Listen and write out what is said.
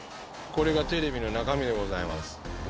これがテレビの中身でございます。